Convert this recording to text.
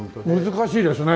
難しいですね。